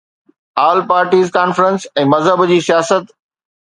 آل parties conference ۽ مذهب جي سياست